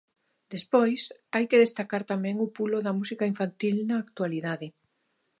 Despois, hai que destacar tamén o pulo da música infantil na actualidade.